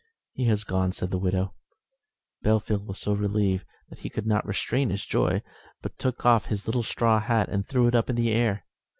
"He has gone," said the widow. Bellfield was so relieved that he could not restrain his joy, but took off his little straw hat and threw it up into the air.